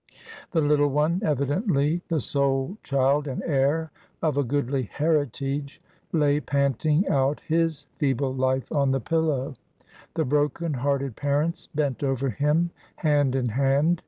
The little one, evidently the sole child and heir of a goodly heritage, lay panting out his feeble life on the pillow. The broken hearted parents bent over him hand in hand.